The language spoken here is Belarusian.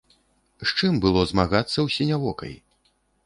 З чым было змагацца ў сінявокай?